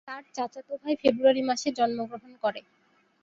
তার চাচাতো ভাই ফেব্রুয়ারি মাসে জন্মগ্রহণ করে।